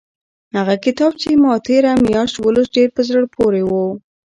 هغه کتاب چې ما تېره میاشت ولوست ډېر په زړه پورې و.